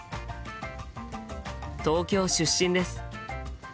東京出身です。